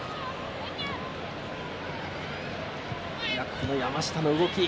この山下の動き。